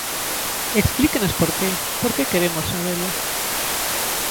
Explíquenos por que, porque queremos sabelo.